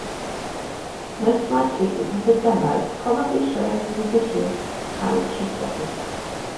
Most likely it was a demo, probably showing the musicians how it should go.